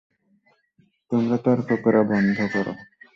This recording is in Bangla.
তোমরা তর্ক করা বন্ধ করো!